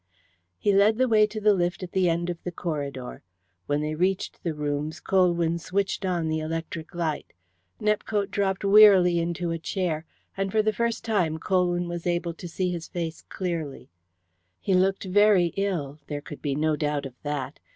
He led the way to the lift at the end of the corridor. When they reached the rooms Colwyn switched on the electric light. Nepcote dropped wearily into a chair, and for the first time Colwyn was able to see his face clearly. He looked very ill: there could be no doubt of that.